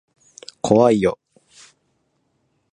怖いよ。